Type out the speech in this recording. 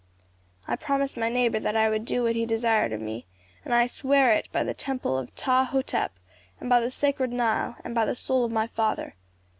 "I promised my neighbor that I would do what he desired of me; and I sware it by the temple of Ptah Hotep, and by the sacred Nile, and by the soul of my father.